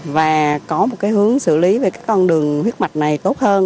và có một cái hướng xử lý về cái con đường huyết mạch này tốt hơn